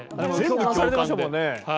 共感されてましたもんね。